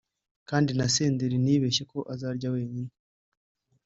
Kandi na Senderi ntiyibeshye ko azayarya wenyine